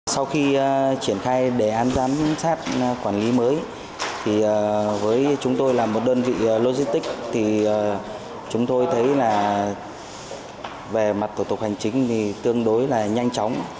sau khi triển khai đề án giám sát quản lý mới với chúng tôi là một đơn vị logistic chúng tôi thấy về mặt thủ tục hành chính tương đối là nhanh chóng